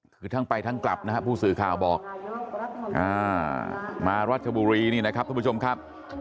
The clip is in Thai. คือทั้งไปทั้งกลับนะครับผู้สื่อข่าวบอกมารัชบุรีนี่นะครับทุกผู้ชมครับ